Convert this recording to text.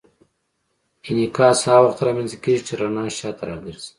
انعکاس هغه وخت رامنځته کېږي چې رڼا شاته راګرځي.